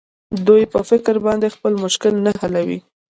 دوى په فکر باندې خپل مشکل نه حلوي.